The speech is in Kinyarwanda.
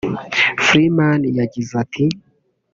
Freeman yagize ati